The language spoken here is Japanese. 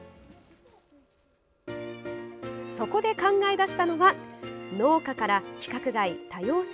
そこで考え出したのは農家から規格外・多様性